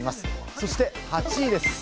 そして８位です。